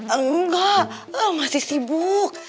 enggak masih sibuk